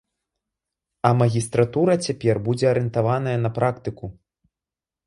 А магістратура цяпер будзе арыентаваная на практыку.